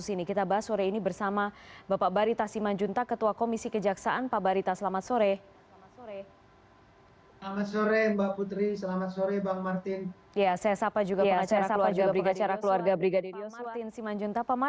selamat sore mbak putri selamat sore pak barita